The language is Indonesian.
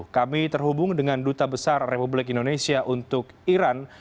kami terhubung dengan duta besar republik indonesia untuk iran